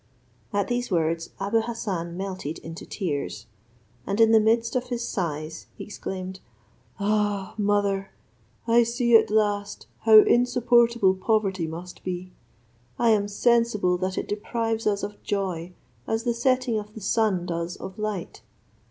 At these words Abou Hassan melted into tears; and in the midst of his sighs exclaimed, "Ah! mother, I see at last how insupportable poverty must be; I am sensible that it deprives us of joy, as the setting of the sun does of light.